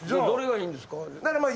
どれがいいんですか？